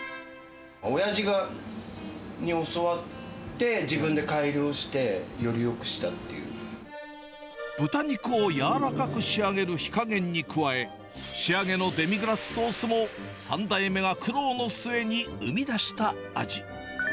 親父に教わって、自分で改良豚肉を柔らかく仕上げる火加減に加え、仕上げのデミグラスソースも、３代目が苦労の末に生み出した味。